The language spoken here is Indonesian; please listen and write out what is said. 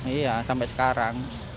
iya sampai sekarang